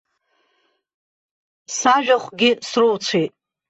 Сажәахәгьы сроуцәеит.